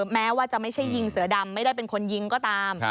แม้ว่าจะไม่ใช่ยิงเสือดำไม่ได้เป็นคนยิงก็ตาม